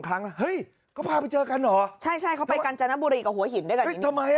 ครั้งเฮ้ยเค้าพาไปเจอกันหรอใช่ใช่เค้าไปกันจะนับรีกับ